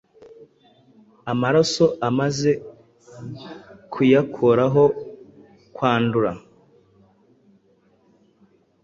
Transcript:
Amaraso amaze kuyakorahokwandura